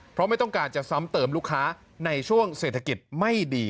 เพราะไม่ต้องการจะซ้ำเติมลูกค้าในช่วงเศรษฐกิจไม่ดี